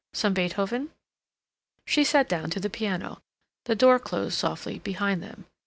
some Beethoven? She sat down to the piano; the door closed softly behind them.